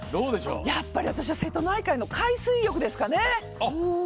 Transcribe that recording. やっぱり私は瀬戸内海の海水浴ですかね。